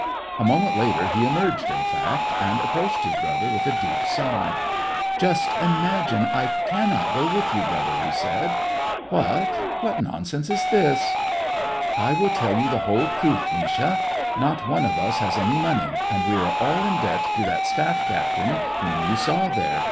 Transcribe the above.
A moment later he emerged, in fact, and ap proached his brother, with a deep sigh. "Just imagine ! I cannot go with you, brother," he said. " What } What nonsense is this ?" 150 SEVASTOPOL IN AUGUST. " I will tell you the whole truth, Misha ! Not one of us has any money, and we are all in debt to that staff captain whom you saw there.